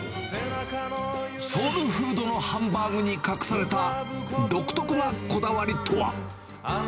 ソウルフードのハンバーグに隠された独特なこだわりとは。